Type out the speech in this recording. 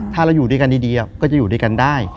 ถ้าเราอยู่ด้วยกันดีก็จะอยู่ด้วยกันได้